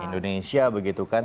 indonesia begitu kan